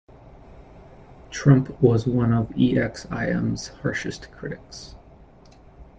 Trump was one of ExIm's harshest critics.